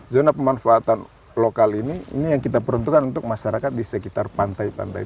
zona pemanfaatan lokal ini ini yang kita peruntukkan untuk masyarakat di sekitar pantai pantai